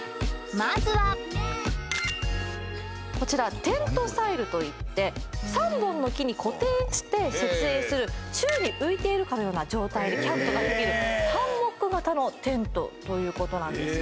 まずはこちらテントサイルといって３本の木に固定して設営する宙に浮いているかのような状態でキャンプができるハンモック型のテントということなんです